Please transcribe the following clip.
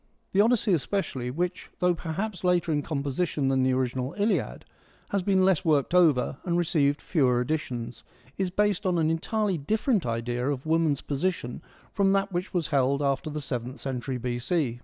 The Odyssey especially, which, though perhaps later in composition than the original Iliad, has been less worked over and received fewer additions, is based on an entirely different idea of woman's position from that which was held after the seventh century B.C.